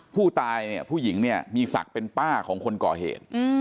ผู้ตายเนี่ยผู้หญิงเนี่ยมีศักดิ์เป็นป้าของคนก่อเหตุ